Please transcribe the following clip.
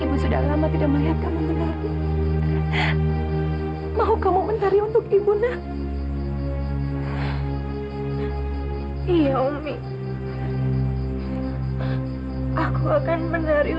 ibu sudah lama tidak melihat kamu menari